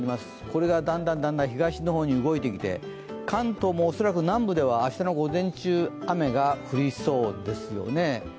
これがだんだん東の方に動いていて、関東も恐らく南部では明日の午前中雨が降りそうですよね。